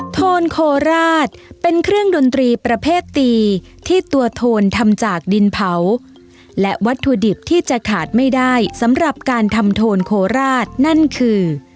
โทนโคราชเป็นเครื่องดนตรีประเภทตีที่ตัวโทนทำจากดินเผาและวัตถุดิบที่จะขาดไม่ได้สำหรับการทำโทนโคราชนั่นคือ